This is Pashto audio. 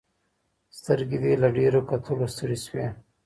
سترګې دې له ډیرو کتلو ستړي سوې.